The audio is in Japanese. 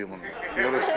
よろしく。